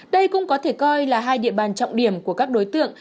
đây cũng có thể coi là hai địa bàn trọng điểm của các đối tượng